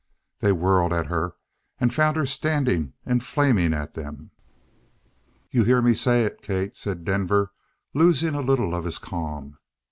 They whirled at her, and found her standing and flaming at them. "You hear me say it, Kate," said Denver, losing a little of his calm.